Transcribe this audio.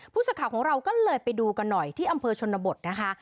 ผู้สื่อข่าวของเราก็เลยไปดูกันหน่อยที่อำเภอชนบทนะคะ